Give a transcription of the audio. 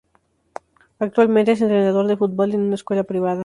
Actualmente es entrenador de fútbol en una escuela privada.